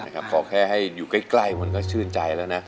ขอแค่ให้อยู่ใกล้มันก็ชื่นใจแล้วนะ